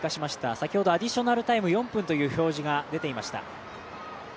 先ほど、アディショナルタイム４分という表示が出ていました。